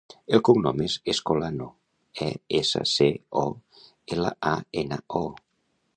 El cognom és Escolano: e, essa, ce, o, ela, a, ena, o.